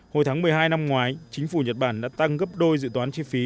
hồi tháng một mươi hai năm ngoái chính phủ nhật bản đã tăng gấp đôi dự toán chi phí